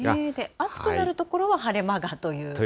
暑くなる所は晴れ間がという感じですね。